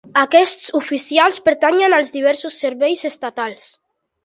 Aquests oficials pertanyen als diversos serveis estatals.